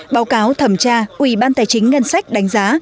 báo cáo thẩm tra ủy ban tài chính ngân sách đánh giá